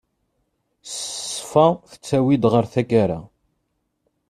Ṣṣfa tettawi-d ɣer tagara.